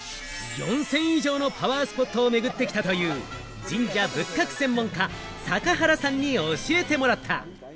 ４０００以上のパワースポットをめぐってきたという、神社仏閣専門家・坂原さんに教えてもらった。